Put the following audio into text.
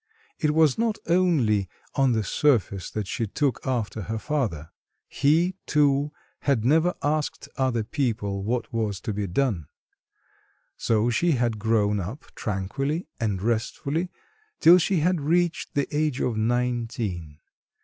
It was not only on the surface that she took after her father; he, too, had never asked other people what was to be done. So she had grown up tranquilly and restfully till she had reached the age of nineteen.